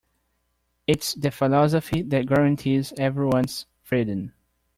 It's the philosophy that guarantees everyone's freedom.